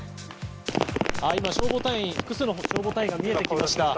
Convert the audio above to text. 今、複数の消防隊員が見えてきました。